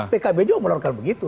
pkb juga mengeluarkan begitu